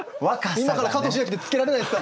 今から「加藤シゲアキ」ってつけられないですか？